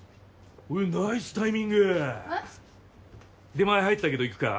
出前入ったけど行くか？